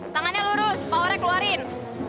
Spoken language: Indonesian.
tangannya lurus powernya keluarin